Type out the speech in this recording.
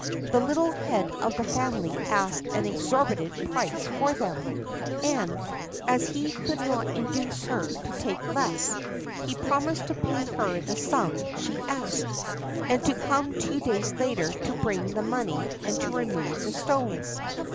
The little head of the family asked an exorbitant price for them, and, as he could not induce her to take less, he promised to pay her the sum she asked, and to come two days later to bring the money and to remove the stones.